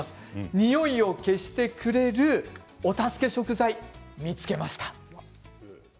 においを消してくれるお助け食材を見つけました。